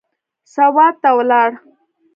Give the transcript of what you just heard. سوات ته ولاړ.